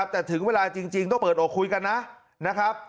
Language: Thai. แต่ถึงเวลาจริงต้องเปิดอกคุยกันนะครับ